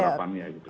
itu harapannya gitu